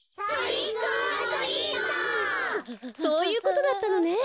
そういうことだったのね。